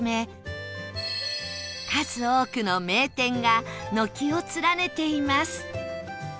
数多くの名店が軒を連ねています